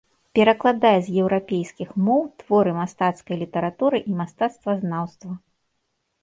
Перакладае з еўрапейскіх моў творы мастацкай літаратуры і мастацтвазнаўства.